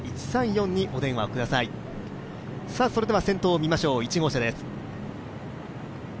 先頭を見ましょう、１号車です。